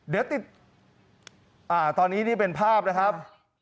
เดี๋ยวติดตอนนี้นี่เป็นภาพนะครับ